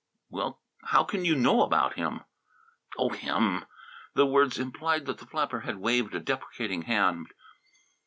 "Well, how can you know about him?" "Oh, him!" The words implied that the flapper had waved a deprecating hand.